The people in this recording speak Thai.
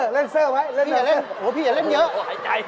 มีงานต่อเขามีงานต่อ